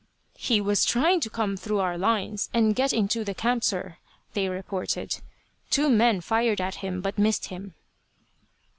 "He was trying to come through our lines and get into the camp, sir," they reported. "Two men fired at him, but missed him."